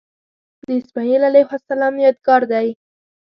د اسمیل علیه السلام یادګار دی.